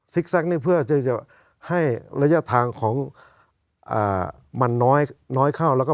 ซิกแซ็กเพื่อให้ระยะทางมันน้อยข้าง